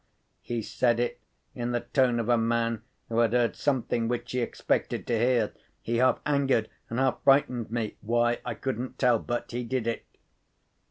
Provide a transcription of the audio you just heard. he said it in the tone of a man who had heard something which he expected to hear. He half angered and half frightened me—why, I couldn't tell, but he did it.